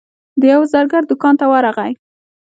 د یوه زرګر دوکان ته ورغی.